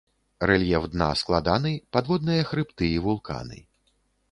Рэльеф дна складаны, падводныя хрыбты і вулканы.